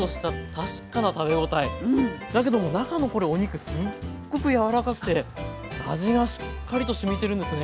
だけども中のこれお肉すっごく柔らかくて味がしっかりとしみてるんですね。